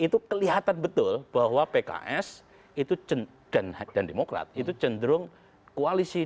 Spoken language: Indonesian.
itu kelihatan betul bahwa pks dan demokrat itu cenderung koalisi dua ribu sembilan belas